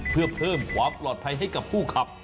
เพื่อเพิ่มความปลอดภัยให้กับผู้ขับ